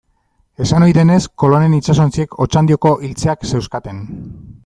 Esan ohi denez, Kolonen itsasontziek Otxandioko iltzeak zeuzkaten.